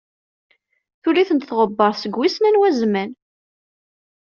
Tuli-ten tɣebbart seg wissen anwa zzman.